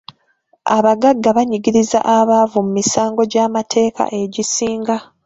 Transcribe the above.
Abaggaga banyigiriza abaavu mu misango gy'amateeka egisinga.